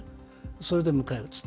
それで迎え撃つと。